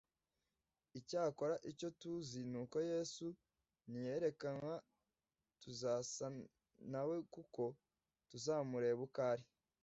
. Icyakora icyo tuzi ni uko Yesu niyerekanwa, tuzasa na we kuko tuzamureba uko ari.’